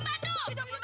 tidak mau mangguh